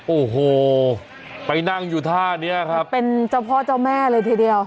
โอ้โหไปนั่งอยู่ท่านี้ครับเป็นเจ้าพ่อเจ้าแม่เลยทีเดียว